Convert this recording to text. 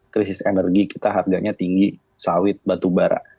krisis energi kita harganya tinggi sawit batu bara